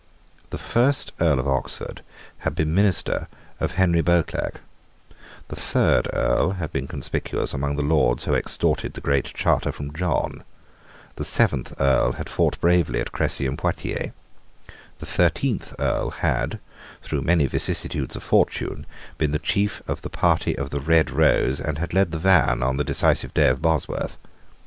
The first Earl of Oxford had been minister of Henry Beauclerc. The third Earl had been conspicuous among the Lords who extorted the Great Charter from John. The seventh Earl had fought bravely at Cressy and Pointiers. The thirteenth Earl had, through many vicissitudes of fortune, been the chief of the party of the Red Rose, and had led the van on the decisive day of Bosworth.